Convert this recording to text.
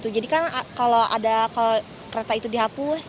jadi kan kalau kereta itu dihapus